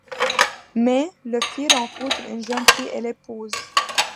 Mais, le fils rencontre une jeune fille et l'épouse.